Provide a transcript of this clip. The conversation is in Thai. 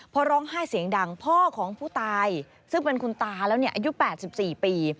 พอร้องไห้เสียงดังพ่อของผู้ตายซึ่งเป็นคุณตาแล้วเนี่ยอายุ๘๔ปี